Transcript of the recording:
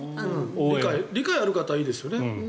理解がある方はいいですよね。